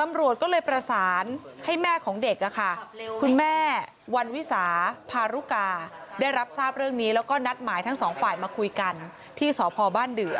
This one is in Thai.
ตำรวจก็เลยประสานให้แม่ของเด็กคุณแม่วันวิสาพารุกาได้รับทราบเรื่องนี้แล้วก็นัดหมายทั้งสองฝ่ายมาคุยกันที่สพบ้านเดือ